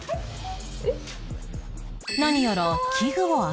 何やら